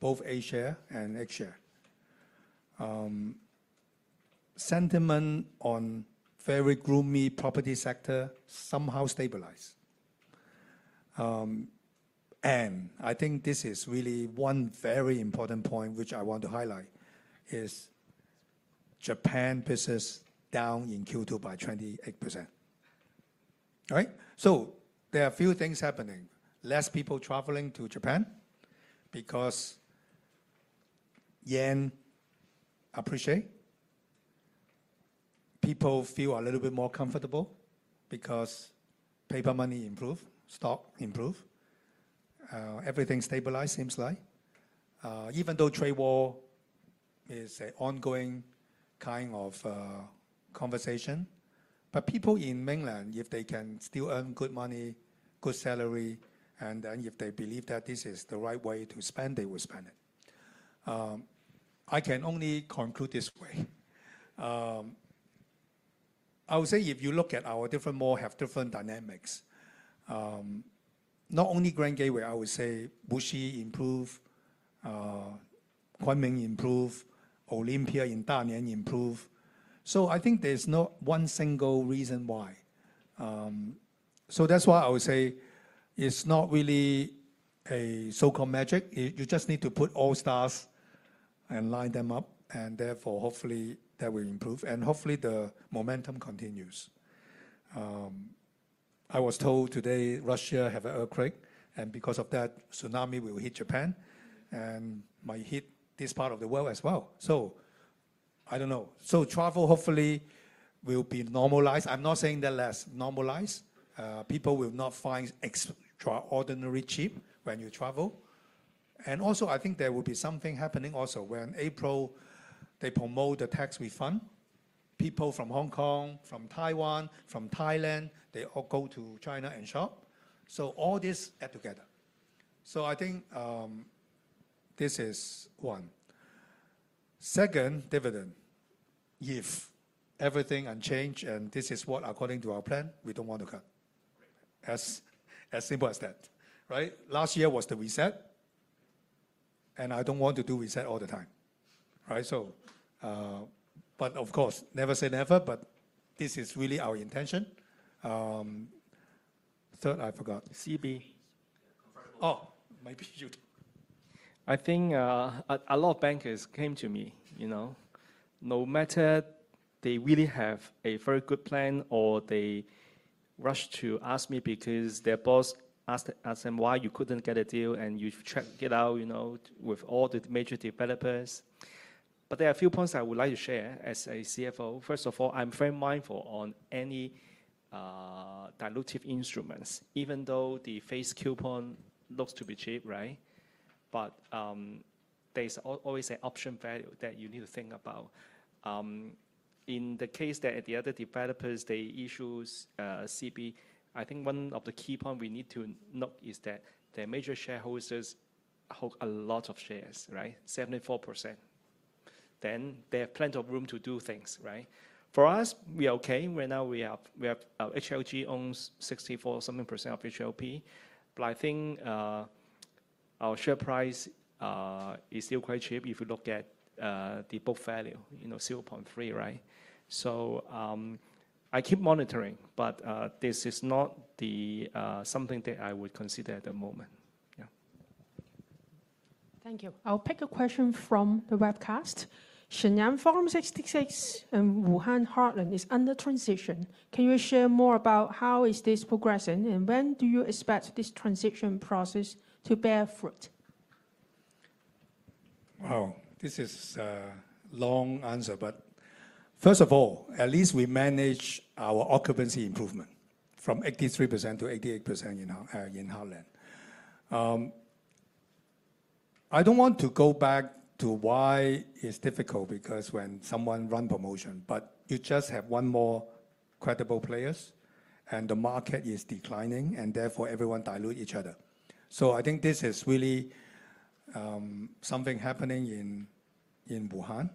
both A share and X share. Sentiment on the very gloomy property sector somehow stabilizes. I think this is really one very important point which I want to highlight is Japan's business is down in Q2 by 28%. There are a few things happening. Less people are traveling to Japan because yen appreciates. People feel a little bit more comfortable because paper money improves, stock improves. Everything stabilizes, seems like. Even though the trade war is an ongoing kind of conversation, people in mainland, if they can still earn good money, good salary, and then if they believe that this is the right way to spend, they will spend it. I can only conclude this way. I would say if you look at our different malls have different dynamics. Not only Grand Gateway, I would say Wuxi improves, Guangming improves, Olympia in Danyang improves. I think there's not one single reason why. That's why I would say it's not really a so-called magic. You just need to put all stars and line them up, and therefore hopefully that will improve. Hopefully the momentum continues. I was told today Russia has an earthquake, and because of that, a tsunami will hit Japan and might hit this part of the world as well. I don't know. Travel hopefully will be normalized. I'm not saying that less, normalized. People will not find it extraordinarily cheap when you travel. I think there will be something happening also when in April they promote the tax refund. People from Hong Kong, from Taiwan, from Thailand, they all go to China and shop. All this adds together. I think this is one. Second, dividend. If everything is unchanged and this is what according to our plan, we don't want to cut. As simple as that. Last year was the reset, and I don't want to do reset all the time. Of course, never say never, but this is really our intention. Third, I forgot. CB? Oh, maybe you talk. I think a lot of bankers came to me, you know, no matter they really have a very good plan or they rush to ask me because their boss asked them why you couldn't get a deal and you checked it out, you know, with all the major developers. There are a few points I would like to share as a CFO. First of all, I'm very mindful of any dilutive instruments, even though the face coupon looks to be cheap, right? There's always an option value that you need to think about. In the case that the other developers, they issue CB, I think one of the key points we need to note is that their major shareholders hold a lot of shares, right? 74%. There's plenty of room to do things, right? For us, we are okay. Right now, we have [HLG] that owns 64% of [HLP]. I think our share price is still quite cheap if you look at the book value, you know, 0.3, right? I keep monitoring, but this is not something that I would consider at the moment. Yeah. Thank you. I'll pick a question from the webcast. Shenyang Forum 66 and Wuhan Heartland is under transition. Can you share more about how is this progressing and when do you expect this transition process to bear fruit? Wow, this is a long answer, but first of all, at least we managed our occupancy improvement from 83%-88% in Heartland. I don't want to go back to why it's difficult because when someone runs a promotion, but you just have one more credible player and the market is declining and therefore everyone dilutes each other. I think this is really something happening in Wuhan.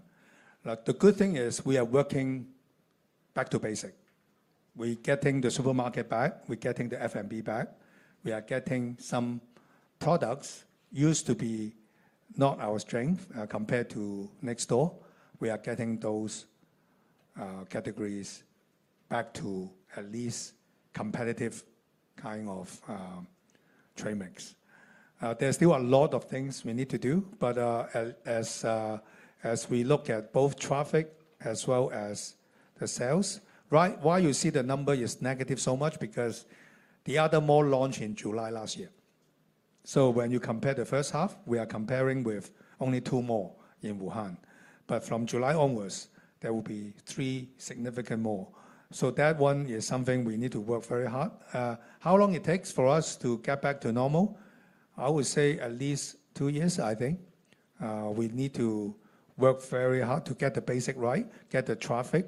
The good thing is we are working back to basic. We're getting the supermarket back, we're getting the F&B back, we are getting some products that used to be not our strength compared to next door. We are getting those categories back to at least competitive kind of trade mix. There's still a lot of things we need to do, but as we look at both traffic as well as the sales, why you see the number is negative so much is because the other mall launched in July last year. When you compare the first half, we are comparing with only two more in Wuhan. From July onwards, there will be three significant malls. That one is something we need to work very hard. How long it takes for us to get back to normal? I would say at least two years, I think. We need to work very hard to get the basic right, get the traffic,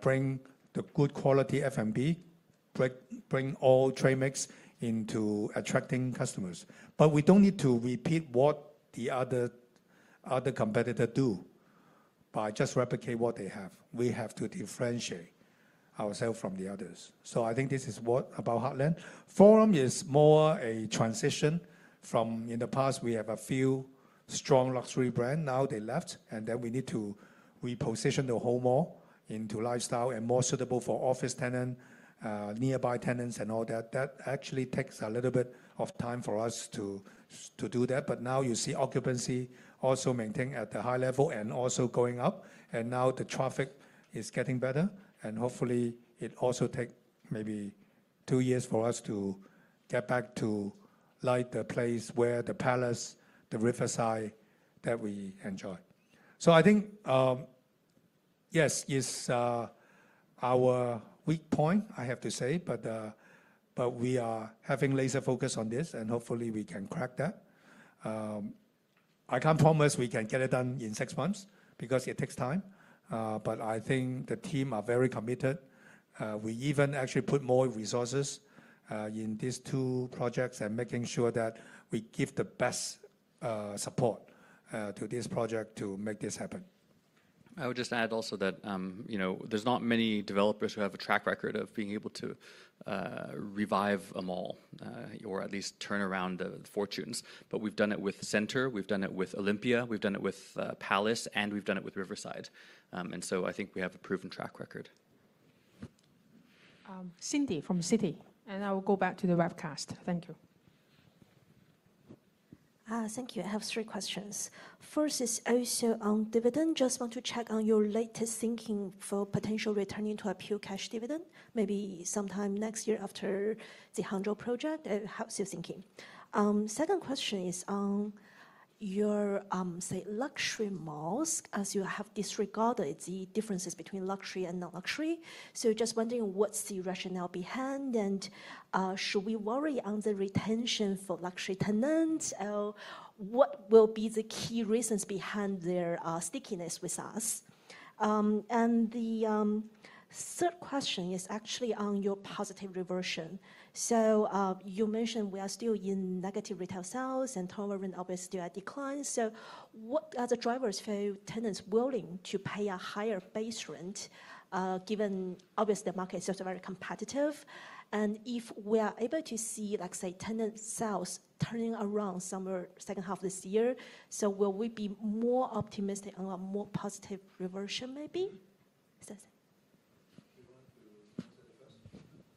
bring the good quality F&B, bring all trade mix into attracting customers. We don't need to repeat what the other competitors do by just replicating what they have. We have to differentiate ourselves from the others. I think this is what about Heartland. Forum is more a transition from in the past. We have a few strong luxury brands, now they left, and then we need to reposition the whole mall into lifestyle and more suitable for office tenants, nearby tenants, and all that. That actually takes a little bit of time for us to do that. Now you see occupancy also maintained at the high level and also going up, and now the traffic is getting better. Hopefully it also takes maybe two years for us to get back to like the place where the palace, the riverside, that we enjoy. I think, yes, it's our weak point, I have to say, but we are having laser focus on this, and hopefully we can crack that. I can't promise we can get it done in six months because it takes time, but I think the team is very committed. We even actually put more resources in these two projects and making sure that we give the best support to this project to make this happen. I would just add also that there's not many developers who have a track record of being able to revive a mall or at least turn around the fortunes. We've done it with Center, we've done it with Olympia, we've done it with Palace, and we've done it with Riverside. I think we have a proven track record. Cindy from City, and I will go back to the webcast. Thank you. Thank you. I have three questions. First is also on dividend. Just want to check on your latest thinking for potentially returning to a pure cash dividend, maybe sometime next year after the Hangzhou project. How is your thinking? Second question is on your luxury malls as you have disregarded the differences between luxury and non-luxury. Just wondering what's the rationale behind, and should we worry on the retention for luxury tenants? What will be the key reasons behind their stickiness with us? The third question is actually on your positive reversion. You mentioned we are still in negative retail sales and total rent obviously still declines. What are the drivers for tenants willing to pay a higher base rent given, obviously, the market is also very competitive? If we are able to see, let's say, tenant sales turning around somewhere second half of this year, will we be more optimistic on a more positive reversion maybe?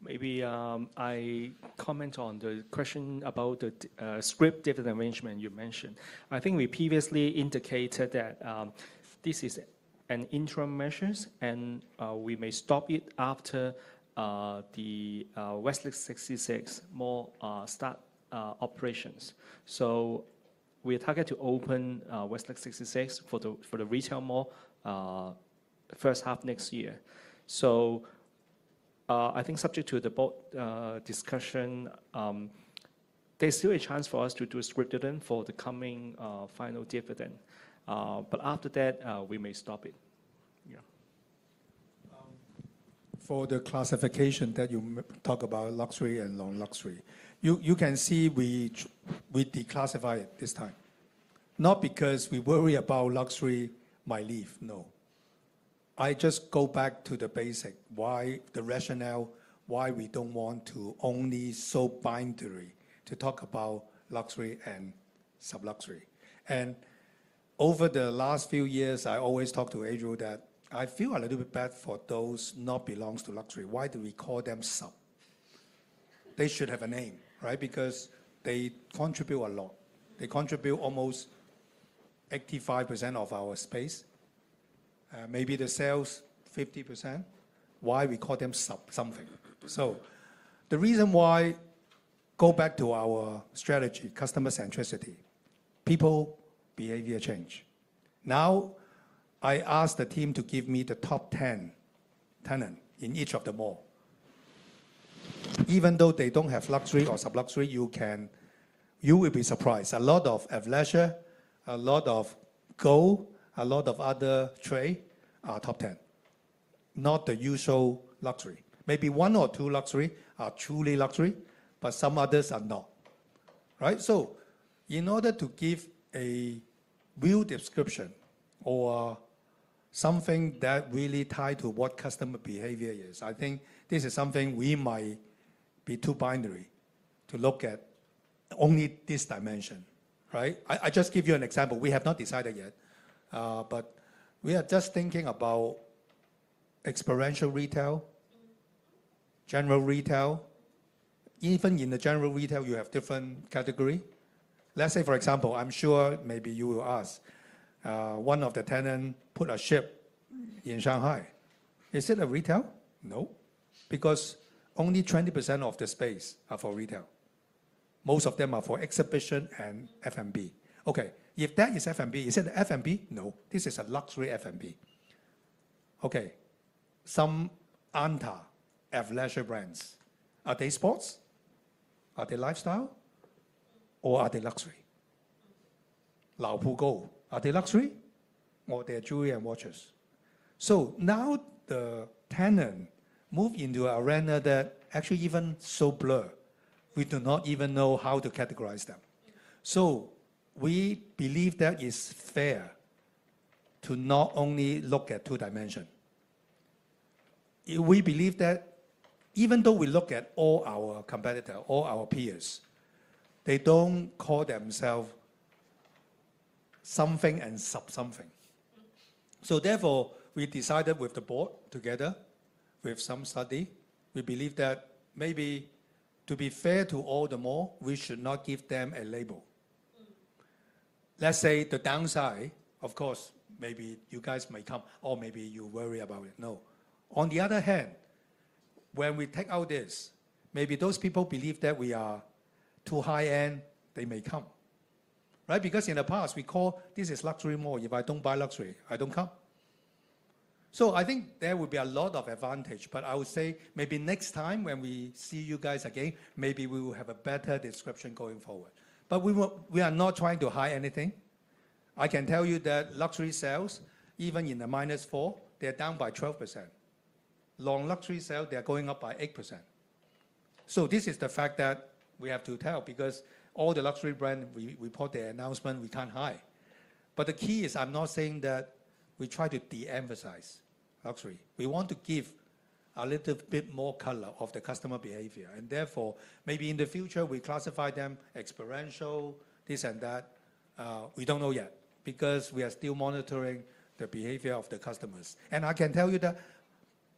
Maybe I comment on the question about the strict dividend arrangement you mentioned. I think we previously indicated that this is an interim measure, and we may stop it after the West Lake 66 mall starts operations. We are targeting to open West Lake 66 for the retail mall in the first half of next year. Subject to the board discussion, there's still a chance for us to do strict dividend for the coming final dividend. After that, we may stop it. For the classification that you talk about, luxury and non-luxury, you can see we declassify it this time. Not because we worry about luxury might leave, no. I just go back to the basic, the rationale, why we don't want to only so binary to talk about luxury and sub-luxury. Over the last few years, I always talk to Adriel that I feel a little bit bad for those not belonging to luxury. Why do we call them sub? They should have a name, right? Because they contribute a lot. They contribute almost 85% of our space, maybe the sales 50%. Why do we call them sub something? The reason why, go back to our strategy, customer centricity. People behavior change. Now I ask the team to give me the top 10 tenants in each of the mall. Even though they don't have luxury or sub-luxury, you will be surprised. A lot of adventure, a lot of gold, a lot of other trade are top 10, not the usual luxury. Maybe one or two luxuries are truly luxury, but some others are not. In order to give a real description or something that really ties to what customer behavior is, I think this is something we might be too binary to look at only this dimension. I just give you an example. We have not decided yet, but we are just thinking about experiential retail, general retail. Even in the general retail, you have different categories. Let's say, for example, I'm sure maybe you will ask, one of the tenants put a ship in Shanghai. Is it a retail? No, because only 20% of the space are for retail. Most of them are for exhibition and F&B. If that is F&B, is it F&B? No, this is a luxury F&B. Some ANTA adventure brands, are they sports? Are they lifestyle? Or are they luxury? Lao Pu Go, are they luxury? Or are they jewelry and watches? Now the tenants move into an arena that actually even so blurred, we do not even know how to categorize them. We believe that it's fair to not only look at two dimensions. We believe that even though we look at all our competitors, all our peers, they don't call themselves something and sub something. Therefore, we decided with the board together, with some study, we believe that maybe to be fair to all the malls, we should not give them a label. Let's say the downside, of course, maybe you guys might come or maybe you worry about it. No. On the other hand, when we take out this, maybe those people believe that we are too high-end, they may come, right? Because in the past, we call this is luxury mall. If I don't buy luxury, I don't come. I think there will be a lot of advantage, but I would say maybe next time when we see you guys again, maybe we will have a better description going forward. We are not trying to hide anything. I can tell you that luxury sales, even in the -4%, they're down by 12%. Long luxury sales, they're going up by 8%. This is the fact that we have to tell because all the luxury brands report their announcement, we can't hide. The key is I'm not saying that we try to de-emphasize luxury. We want to give a little bit more color of the customer behavior. Therefore, maybe in the future, we classify them experiential, this and that. We don't know yet because we are still monitoring the behavior of the customers. I can tell you that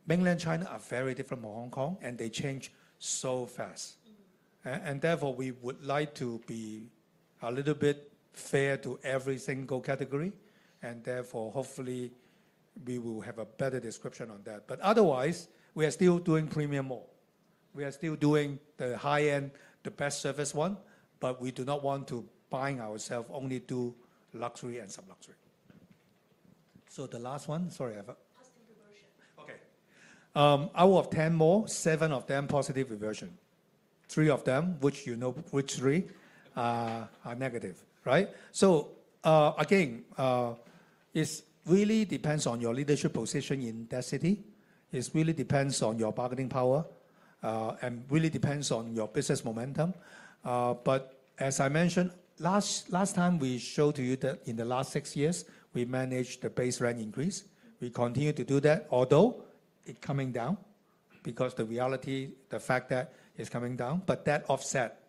mainland China is very different from Hong Kong, and they change so fast. Therefore, we would like to be a little bit fair to every single category. Hopefully, we will have a better description on that. Otherwise, we are still doing premium mall. We are still doing the high-end, the best service one, but we do not want to bind ourselves only to luxury and sub-luxury. The last one, sorry. Positive reversion. Okay. Out of 10 malls, 7 of them positive reversion. 3 of them, which you know which 3 are negative, right? It really depends on your leadership position in that city. It really depends on your bargaining power and really depends on your business momentum. As I mentioned, last time we showed to you that in the last six years, we managed the base rent increase. We continue to do that, although it's coming down because the reality, the fact that it's coming down, but that offset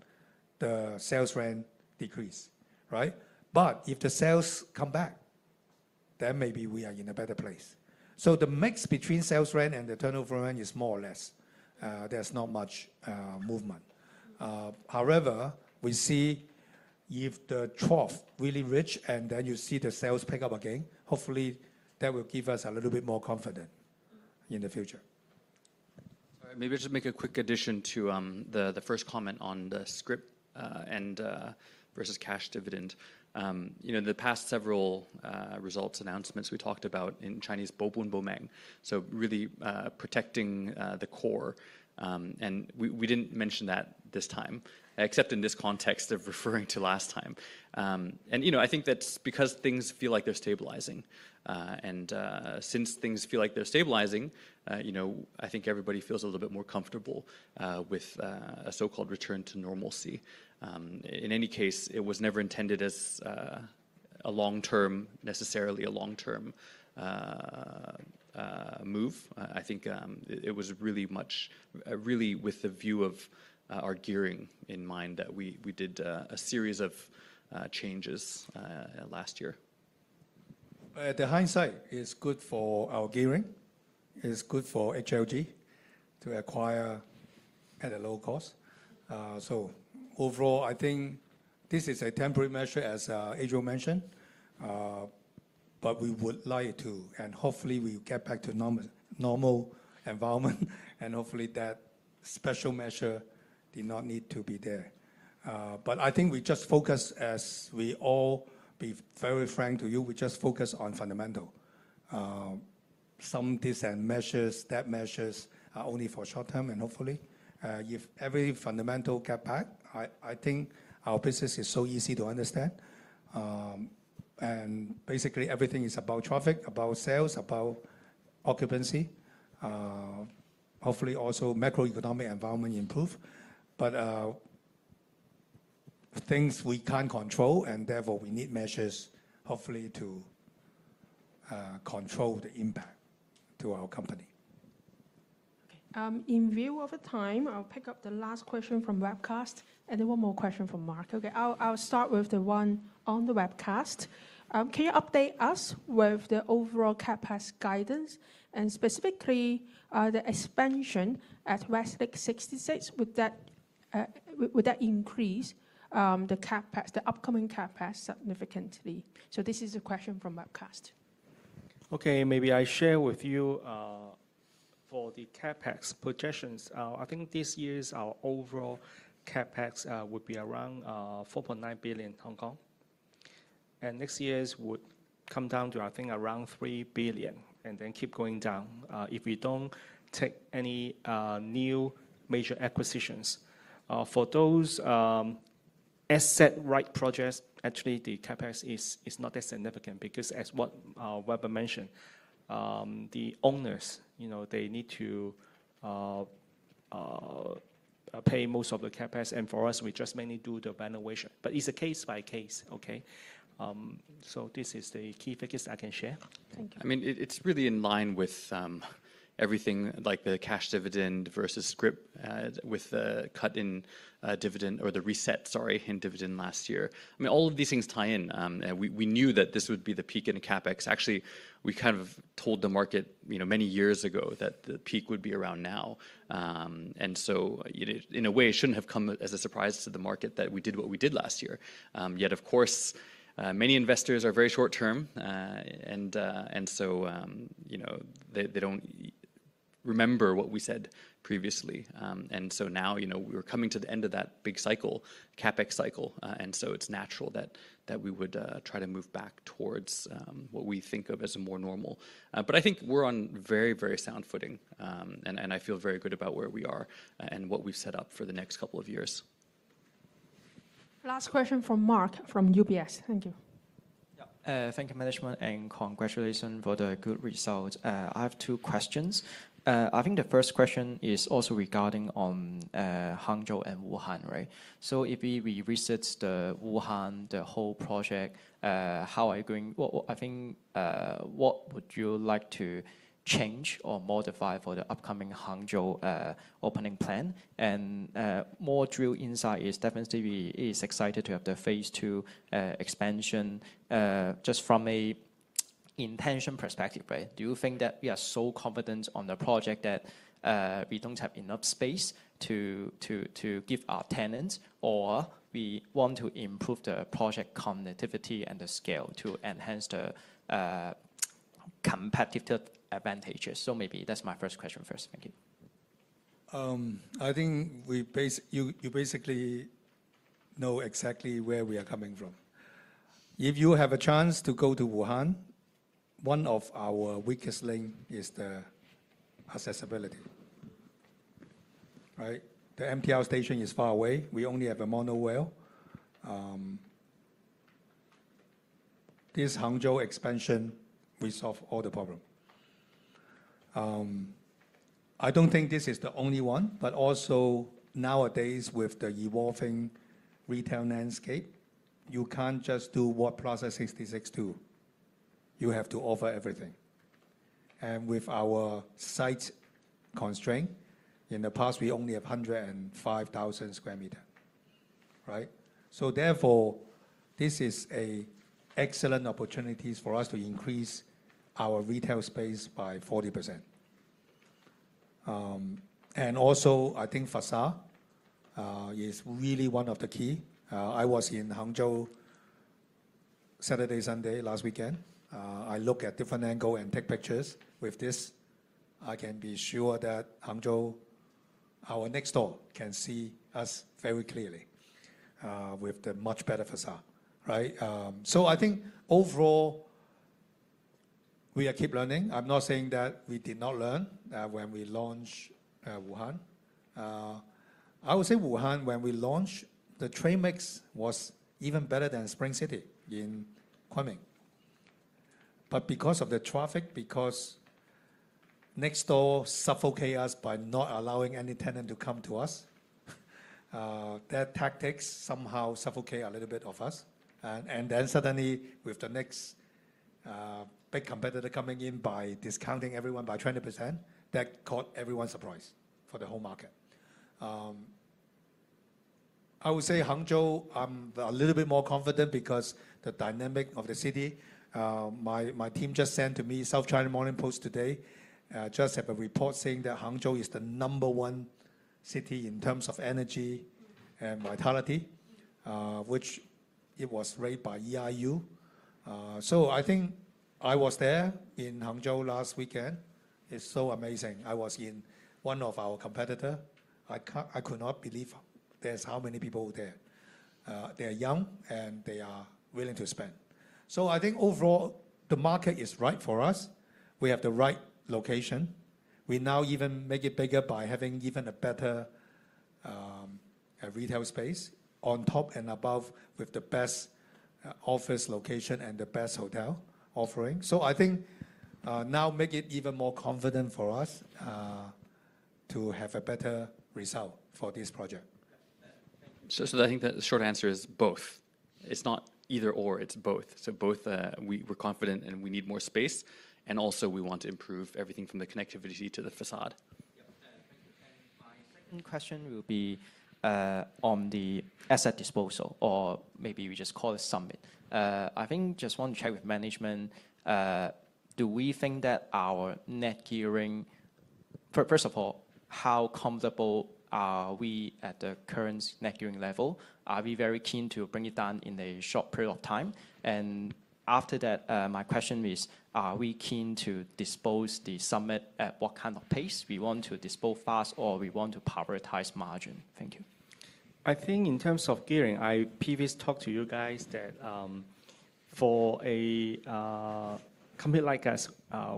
the sales rent decrease, right? If the sales come back, then maybe we are in a better place. The mix between sales rent and the turnover rent is more or less. There's not much movement. However, we see if the trough really reaches and then you see the sales pick up again, hopefully that will give us a little bit more confidence in the future. Maybe I'll just make a quick addition to the first comment on the strict and versus cash dividend. In the past several results announcements, we talked about in Chinese bobun bomeng, so really protecting the core. We didn't mention that this time, except in this context of referring to last time. I think that's because things feel like they're stabilizing. Since things feel like they're stabilizing, I think everybody feels a little bit more comfortable with a so-called return to normalcy. In any case, it was never intended as a long-term, necessarily a long-term move. I think it was really much, really with the view of our gearing in mind that we did a series of changes last year. The hindsight is good for our gearing. It's good for Hang Lung Group Limited to acquire at a low cost. Overall, I think this is a temporary measure, as Adriel Chan mentioned, but we would like to, and hopefully we'll get back to a normal environment, and hopefully that special measure did not need to be there. I think we just focus, as we all be very frank to you, we just focus on fundamental. Some decent measures, step measures are only for short term, and hopefully if every fundamental gets back, I think our business is so easy to understand. Basically, everything is about traffic, about sales, about occupancy. Hopefully, also macroeconomic environment improves. Things we can't control, and therefore we need measures hopefully to control the impact to our company. In view of the time, I'll pick up the last question from the webcast, and then one more question from Mark. Okay, I'll start with the one on the webcast. Can you update us with the overall CapEx guidance, and specifically the expansion at West Lake 66? Would that increase the upcoming CapEx significantly? This is a question from the webcast. Okay, maybe I share with you for the CapEx projections. I think this year's our overall CapEx would be around 4.9 billion Hong Kong. Next year's would come down to, I think, around 3 billion, and then keep going down if we don't take any new major acquisitions. For those asset right projects, actually the CapEx is not that significant because, as Weber mentioned, the owners, you know, they need to pay most of the CapEx, and for us, we just mainly do the valuation. It's a case-by-case, okay? This is the key figures I can share. Thank you. I mean, it's really in line with everything, like the cash dividend versus strict with the cut in dividend, or the reset, sorry, in dividend last year. I mean, all of these things tie in. We knew that this would be the peak in the CapEx. Actually, we kind of told the market, you know, many years ago that the peak would be around now. In a way, it shouldn't have come as a surprise to the market that we did what we did last year. Yet, of course, many investors are very short term, and so, you know, they don't remember what we said previously. Now, you know, we're coming to the end of that big cycle, CapEx cycle, and it's natural that we would try to move back towards what we think of as a more normal. I think we're on very, very sound footing, and I feel very good about where we are and what we've set up for the next couple of years. Last question from Mark from UBS. Thank you. Thank you, management, and congratulations for the good results. I have two questions. I think the first question is also regarding Hangzhou and Wuhan, right? If we reset the Wuhan, the whole project, how are you going? What would you like to change or modify for the upcoming Hangzhou opening plan? More drill insight is definitely we are excited to have the phase two expansion. Just from an intention perspective, right? Do you think that we are so confident on the project that we don't have enough space to give our tenants, or we want to improve the project connectivity and the scale to enhance the competitive advantages? Maybe that's my first question first. Thank you. I think you basically know exactly where we are coming from. If you have a chance to go to Wuhan, one of our weakest links is the accessibility, right? The MTR station is far away. We only have a monorail. This Hangzhou expansion resolves all the problems. I don't think this is the only one, but nowadays with the evolving retail landscape, you can't just do what Plaza 66 does. You have to offer everything. With our site constraints, in the past, we only have 105,000 square meters, right? Therefore, this is an excellent opportunity for us to increase our retail space by 40%. I think facade is really one of the keys. I was in Hangzhou Saturday and Sunday last weekend. I looked at different angles and took pictures. With this, I can be sure that Hangzhou, our next door, can see us very clearly with a much better facade, right? I think overall, we keep learning. I'm not saying that we did not learn when we launched Wuhan. I would say Wuhan, when we launched, the trade mix was even better than Spring City in Guangming. Because of the traffic, because next door suffocated us by not allowing any tenant to come to us, their tactics somehow suffocated a little bit of us. Suddenly, with the next big competitor coming in by discounting everyone by 20%, that caught everyone's surprise for the whole market. I would say Hangzhou, I'm a little bit more confident because of the dynamic of the city. My team just sent to me South China Morning Post today, just had a report saying that Hangzhou is the number one city in terms of energy and vitality, which it was rated by EIU. I think I was there in Hangzhou last weekend. It's so amazing. I was in one of our competitors. I could not believe how many people there were. They are young and they are willing to spend. I think overall, the market is right for us. We have the right location. We now even make it bigger by having even a better retail space on top and above with the best office location and the best hotel offering. I think now it makes it even more confident for us to have a better result for this project. I think the short answer is both. It's not either or, it's both. We're confident and we need more space, and also we want to improve everything from the connectivity to the facade. Thank you. My second question will be on the asset disposal, or maybe we just call it summing. I think I just want to check with management. Do we think that our net gearing, first of all, how comfortable are we at the current net gearing level? Are we very keen to bring it down in a short period of time? After that, my question is, are we keen to dispose the summit at what kind of pace? Do we want to dispose fast or do we want to prioritize margin? Thank you. I think in terms of gearing, I previously talked to you guys that for a company like us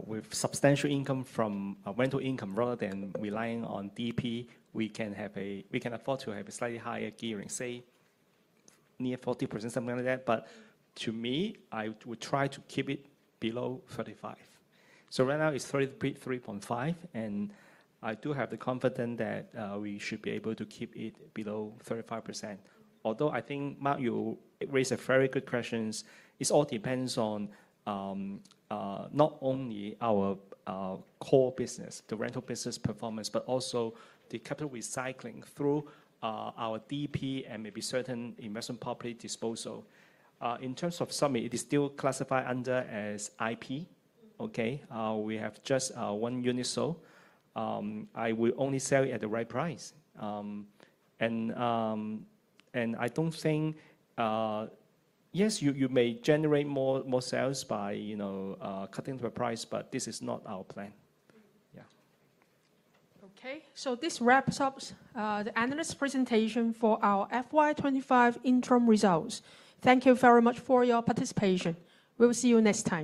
with substantial income from rental income, rather than relying on DP, we can afford to have a slightly higher gearing, say near 40%, something like that. To me, I would try to keep it below 35%. Right now it's 33.5%, and I do have the confidence that we should be able to keep it below 35%. I think, Mark, you raised a very good question. It all depends on not only our core rental business performance, but also the capital recycling through our DP and maybe certain investment property disposal. In terms of summit, it is still classified under as IP. We have just one unit sold. I will only sell it at the right price. I don't think, yes, you may generate more sales by cutting the price, but this is not our plan. Yeah. Okay, this wraps up the analyst presentation for our FY 2025 interim results. Thank you very much for your participation. We'll see you next time.